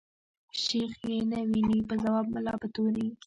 شيخ ئې نه ويني په خواب ملا په توري